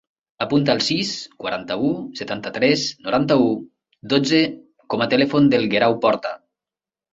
Apunta el sis, quaranta-u, setanta-tres, noranta-u, dotze com a telèfon del Guerau Porta.